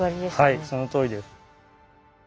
はいそのとおりです。